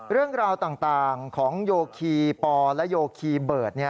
เรื่องราวต่างของโยคีปอและโยคีเบิร์ต